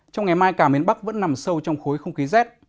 trong ngày mai cả miền bắc vẫn nằm sâu trong khối không khí rét